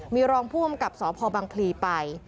มีรองผู้กำกับสพบังพลีไป